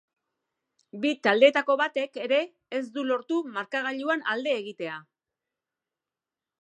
Bi taldeetako batek ere ez du lortu markagailuan alde egitea.